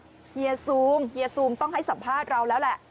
เฮียซูมต้องให้สัมภาษณ์เราแล้วแหละ